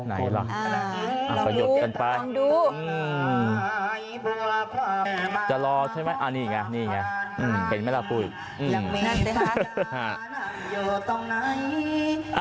อ่าลองรวมดูลองดูอื้มจะรอใช่มั้ยอ่านี่ไงนี่ไงอืมเห็นไหมล่ะปุ้ยอืมนั่นน่ะค่ะ